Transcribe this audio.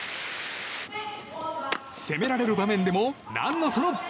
攻められる場面でも何のその。